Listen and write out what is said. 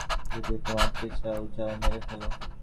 যদি ওকে মারতেই চাও, যাও মেরে ফেলো!